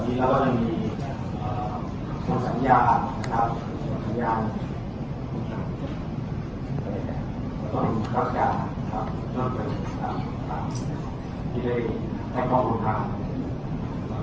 ชวนของเบ้ยมายภายออกจาย่างแหล่งลิตรสำคัญ